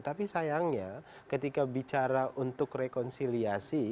tapi sayangnya ketika bicara untuk rekonsiliasi